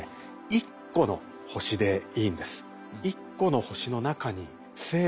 １個の星でいいんです。